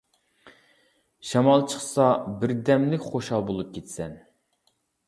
شامال چىقسا بىردەملىك، خۇشال بولۇپ كېتىسەن.